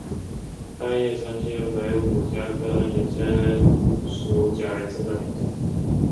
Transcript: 大叶三七为五加科人参属假人参的变种。